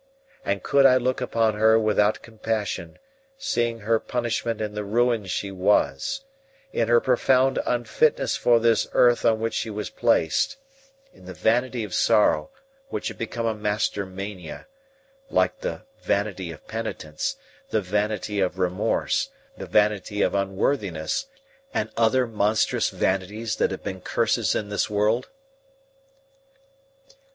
And could I look upon her without compassion, seeing her punishment in the ruin she was, in her profound unfitness for this earth on which she was placed, in the vanity of sorrow which had become a master mania, like the vanity of penitence, the vanity of remorse, the vanity of unworthiness, and other monstrous vanities that have been curses in this world?